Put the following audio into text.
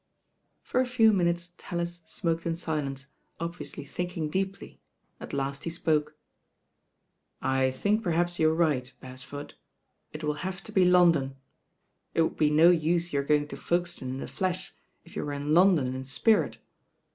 For a few minutes Tallis smoked in silence, obvi ously thinking deeply, at last he spoke. "I think perhaps you're right, Beresford. It will have to be London. It would be no use your going to Folkestone in the Besh, if you were in London in the spirit.